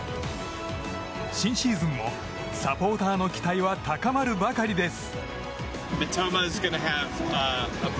新シーズンもサポーターの期待は高まるばかりです。